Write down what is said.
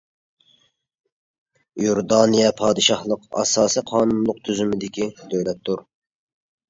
ئىيوردانىيە پادىشاھلىق ئاساسىي قانۇنلۇق تۈزۈمدىكى دۆلەتتۇر.